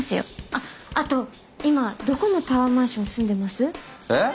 あっあと今どこのタワーマンション住んでます？えっ！？